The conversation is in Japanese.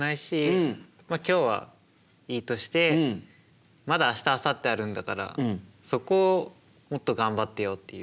今日はいいとしてまだ明日あさってあるんだからそこをもっと頑張ってよっていう。